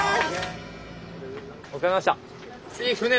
お疲れさまでした！